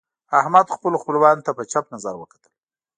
احمد خپلو خپلوانو ته په چپ نظر وکتل.